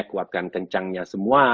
kuatkan kencangnya semua